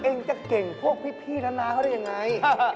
เอ็งจะเก่งพวกพี่ท่านนาเข้าด้วยอย่างไร